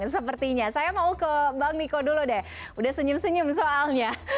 saya mau ke bang niko dulu deh sudah senyum senyum soalnya